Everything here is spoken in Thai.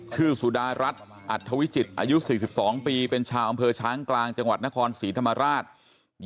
สุดารัฐอัธวิจิตรอายุ๔๒ปีเป็นชาวอำเภอช้างกลางจังหวัดนครศรีธรรมราช